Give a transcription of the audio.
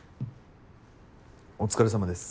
お疲れさまです。